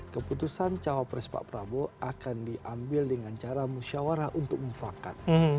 keputusan cawapres pak prabowo akan diambil dengan cara musyawarah untuk mufakat